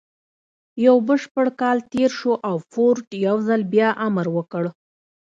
يو بشپړ کال تېر شو او فورډ يو ځل بيا امر وکړ.